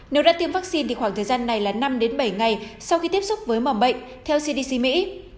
nếu đã tiêm vaccine thì khoảng thời gian này là năm bảy ngày sau khi tiếp xúc với mầm bệnh theo cdc mỹ